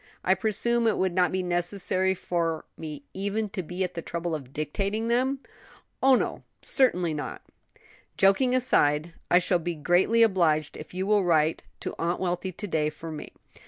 I presume it would not be necessary for me even to be at the trouble of dictating them?" "Oh, no, certainly not!" "Joking aside, I shall be greatly obliged if you will write to Aunt Wealthy to day for me."